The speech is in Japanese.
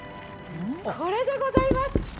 これでございます。